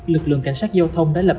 lực lượng cảnh sát giao thông đã lập